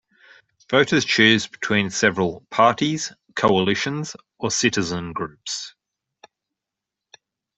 Voters choose between several Parties, Coalitions or Citizen Groups.